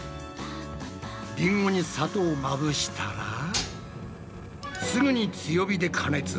リンゴに砂糖をまぶしたらすぐに強火で加熱。